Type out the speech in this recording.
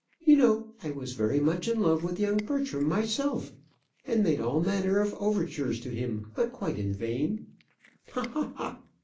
You know I was very much in love with young Bertram myself; and made all manner of overtures to him, but quite in vain; ha! ha! ha!